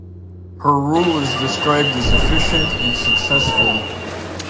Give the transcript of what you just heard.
Her rule is described as efficient and successful.